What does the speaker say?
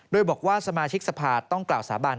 โดยบอกว่าสมาชิกสภาต้องกล่าวสาบาน